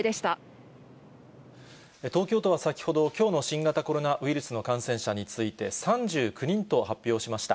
東京都は先ほど、きょうの新型コロナウイルスの感染者について、３９人と発表しました。